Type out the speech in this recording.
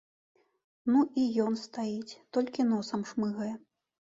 Ну і ён стаіць, толькі носам шмыгае.